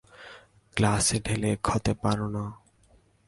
গ্লাসে ঢেলে খতে পার না?